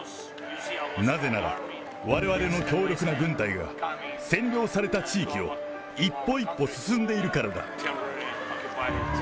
なぜならわれわれの強力な軍隊が占領された地域を一歩一歩進んでいるからだ。